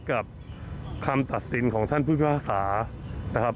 กับคำตัดสินของท่านผู้พิพากษานะครับ